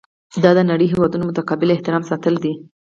دا د نړۍ د هیوادونو متقابل احترام ساتل دي.